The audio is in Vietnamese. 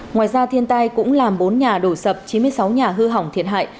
ngoài ra thiên tai cũng làm bốn nhà đổ sập chín mươi sáu nhà hư hỏng thiệt hại